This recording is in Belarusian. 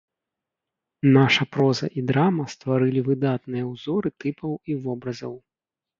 Наша проза і драма стварылі выдатныя ўзоры тыпаў і вобразаў.